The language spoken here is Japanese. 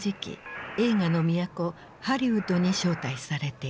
ハリウッドに招待されている。